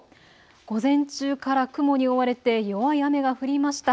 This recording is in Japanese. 午前中から雲に覆われて弱い雨が降りました。